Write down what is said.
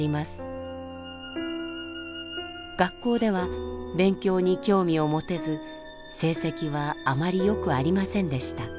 学校では勉強に興味を持てず成績はあまり良くありませんでした。